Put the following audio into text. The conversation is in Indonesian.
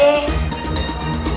pelan pelan jangan tarik